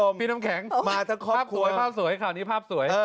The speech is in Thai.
โอ้โหพี่น้ำแข็งภาพสวยภาพสวย